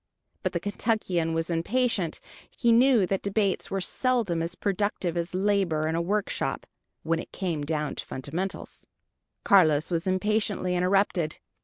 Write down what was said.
But the Kentuckian was impatient: he knew that debates were seldom as productive as labor in a workshop, when it came down to fundamentals. Carlos was impatiently interrupted.